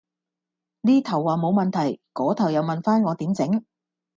呢頭話冇問題，嗰頭就問返我點整